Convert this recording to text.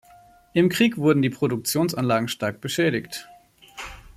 Im Krieg wurden die Produktionsanlagen stark beschädigt.